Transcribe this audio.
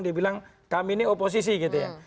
dibilang kami ini oposisi gitu ya